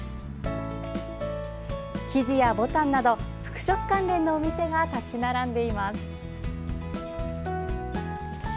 生地やボタンなど、服飾関連のお店が立ち並んでいます。